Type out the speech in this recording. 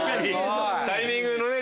タイミングのね。